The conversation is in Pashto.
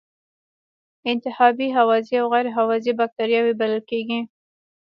انتحابی هوازی او غیر هوازی بکټریاوې بلل کیږي.